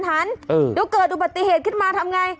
หรือเกิดอุบัติเหตุขึ้นมาทำอย่างไร